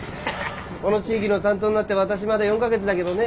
この地域の担当になって私まだ４か月だげどね。